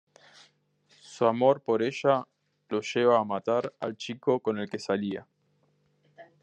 Su amor por ella lo lleva a matar al chico con el que salía.